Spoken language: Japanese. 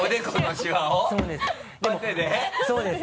そうです。